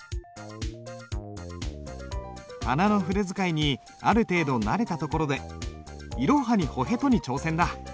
仮名の筆使いにある程度慣れたところで「いろはにほへと」に挑戦だ。